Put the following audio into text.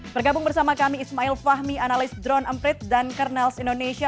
bergabung bersama kami ismail fahmi analis drone emprit dan kernels indonesia